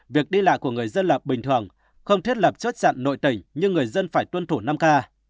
việc đi lại của người dân là bình thường không thiết lập chốt chặn nội tình nhưng người dân phải tuân thủ năm k